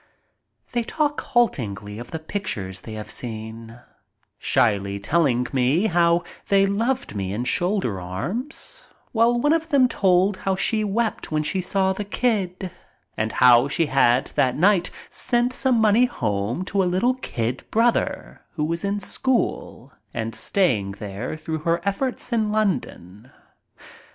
They talk haltingly of the pictures they have seen, shyly telling how they loved me in "Shoulder Arms," while one of them told how she wept when she saw '' The Kid " and how she had that night sent some money home to a little kid brother who was in school and staying there through her efforts in London.